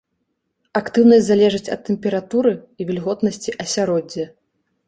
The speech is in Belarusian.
Актыўнасць залежыць ад тэмпературы і вільготнасці асяроддзя.